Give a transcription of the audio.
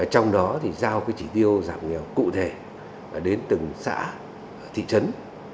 trong đó thì giao chỉ tiêu giảm nghèo cụ thể đến từng xã thị trấn